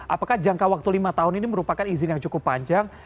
apakah jangka waktu lima tahun ini merupakan izin yang cukup panjang